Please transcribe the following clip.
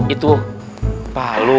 itu pak lu